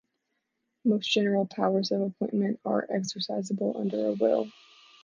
Most general powers of appointment are exercisable under a will.